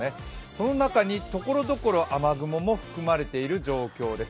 その中にところどころ雨雲も含まれている状況です。